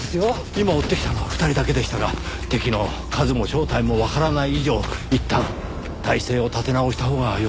今追ってきたのは２人だけでしたが敵の数も正体もわからない以上いったん態勢を立て直したほうがよさそうですねぇ。